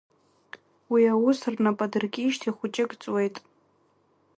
Уи аус рнападыркижьҭеи хәыҷык ҵуеит.